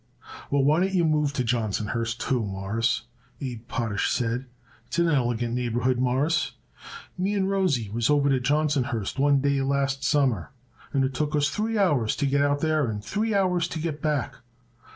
"Well, why don't you move to Johnsonhurst, too, Mawruss," Abe Potash said. "It's an elegant neighborhood, Mawruss. Me and Rosie was over to Johnsonhurst one day last summer and it took us three hours to get out there and three hours to get back.